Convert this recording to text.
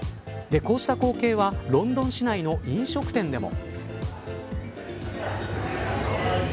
こうした光景はロンドン市内の飲食店でも。